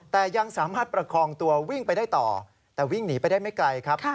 แต่ยังสามารถประคองตัววิ่งไปได้ต่อแต่วิ่งหนีไปได้ไม่ไกลครับ